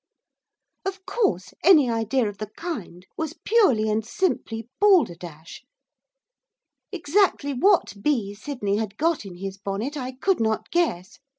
Of course, any idea of the kind was purely and simply balderdash. Exactly what bee Sydney had got in his bonnet, I could not guess.